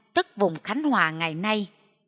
tức vùng khánh hòa ngày nay